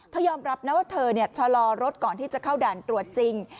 ยอมรับนะว่าเธอชะลอรถก่อนที่จะเข้าด่านตรวจจริง